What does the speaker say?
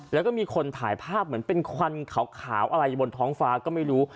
แล้วก็มีคนถ่ายภาพเหมือนเป็นควันขาวอะไรอยู่บนท้องฟ้าก็ไม่รู้